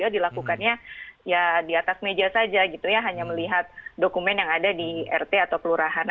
dilakukannya di atas meja saja hanya melihat dokumen yang ada di rt atau pelurahan